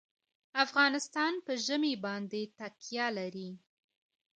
افغانستان په ژمی باندې تکیه لري.